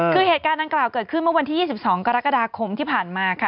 คือเหตุการณ์ดังกล่าวเกิดขึ้นเมื่อวันที่๒๒กรกฎาคมที่ผ่านมาค่ะ